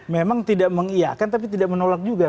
memang tidak mengiakan tapi tidak menolak juga